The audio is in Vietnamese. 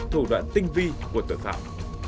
thủ đoạn tinh vi của tội phạm